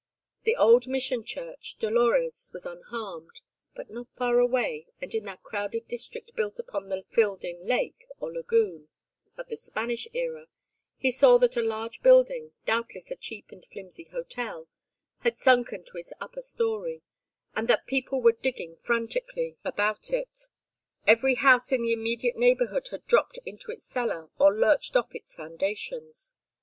The old Mission Church, Dolores, was unharmed, but not far away, and in that crowded district built upon the filled in lake, or lagoon, of the Spanish era, he saw that a large building, doubtless a cheap and flimsy hotel, had sunken to its upper story, and that people were digging frantically about it. Every house in the immediate neighborhood had dropped into its cellar or lurched off its foundations.